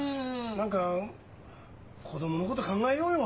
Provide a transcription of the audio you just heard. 何か子供のこと考えようよ。